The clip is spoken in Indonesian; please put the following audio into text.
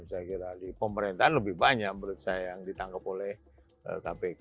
saya kira di pemerintahan lebih banyak menurut saya yang ditangkap oleh kpk